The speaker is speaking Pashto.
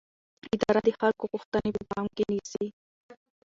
اداره د خلکو غوښتنې په پام کې نیسي.